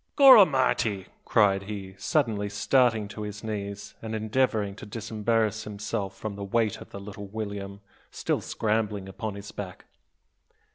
"Gorramity!" cried he, suddenly starting to his knees, and endeavouring to disembarrass himself of the weight of little William, still scrambling upon his back.